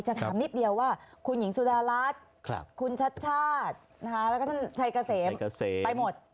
ถามนิดเดียวว่าคุณหญิงสุดารัฐคุณชัดชาติแล้วก็ท่านชัยเกษมเกษมไปหมด